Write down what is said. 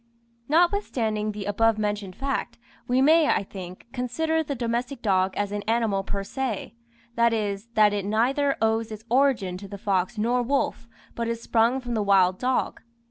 Notwithstanding the above mentioned fact, we may, I think, consider the domestic dog as an animal per se; that is, that it neither owes its origin to the fox nor wolf, but is sprung from the wild dog.